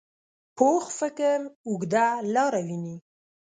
پوخ فکر اوږده لاره ویني